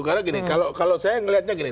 karena gini kalau saya melihatnya gini